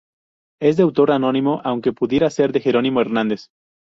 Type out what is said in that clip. Es de autor anónimo, aunque pudiera ser de Jerónimo Hernández.